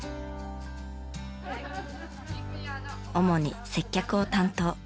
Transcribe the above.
主に接客を担当。